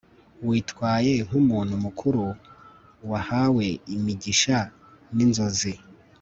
witaye nkumuntu mukuru wahawe imigisha ninzozi